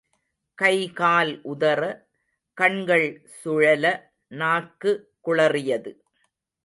கைகால் உதற, கண்கள் சுழல, நாக்கு குளறியது.